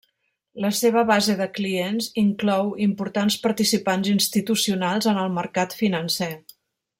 La seva base de clients inclou importants participants institucionals en el mercat financer.